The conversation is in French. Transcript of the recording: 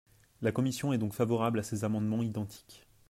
La commission est donc favorable à ces amendements identiques.